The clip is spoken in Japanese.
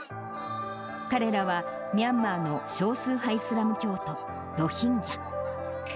彼らは、ミャンマーの少数はイスラム教徒ロヒンギャ。